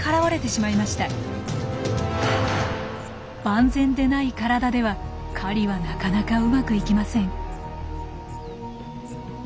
万全でない体では狩りはなかなかうまくいきません。